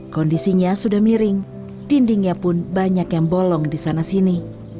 kondisinya sudah miring dindingnya pun banyak yang bolong di sana sini